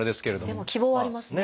でも希望はありますね。